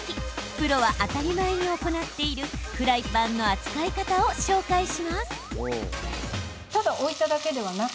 プロは当たり前に行っているフライパンの扱い方を紹介します。